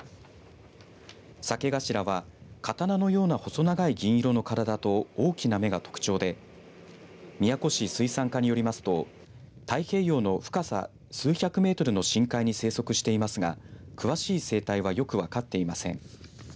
サケガシラは刀のような細長い銀色の体と大きな目が特徴で宮古市水産課によりますと太平洋の深さ数百メートルの深海に生息していますが詳しい生態はよく分かっていません。